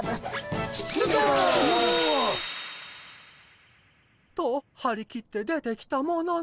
出動！と張り切って出てきたのものの。